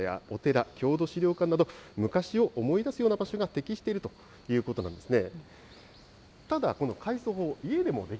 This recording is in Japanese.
神社やお寺、郷土資料館など、昔を思い出すような場所が適しているということなんですね。